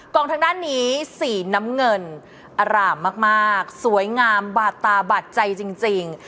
องทางด้านนี้สีน้ำเงินอร่ามมากสวยงามบาดตาบาดใจจริง